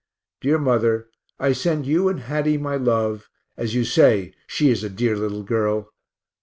Dear mother, I send you and Hattie my love, as you say she is a dear little girl.